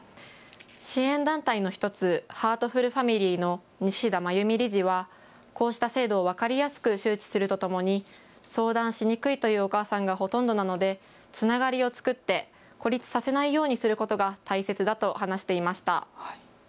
支援団体の１つ、ハートフルファミリーの西田真弓理事はこうした制度を分かりやすく周知するとともに相談しにくいというお母さんがほとんどなのでつながりを作って孤立させないようにすることが大切だと話していました。